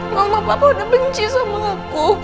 mama papa udah benci sama aku